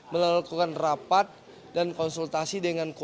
melakukan rapat dan konsultasi dengan